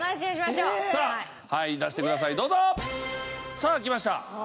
さあきました。